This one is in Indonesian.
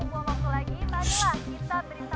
tonton aja jangan berisik